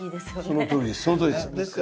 そのとおりです。